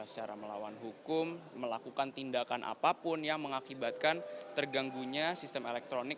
secara melawan hukum melakukan tindakan apapun yang mengakibatkan terganggunya sistem elektronik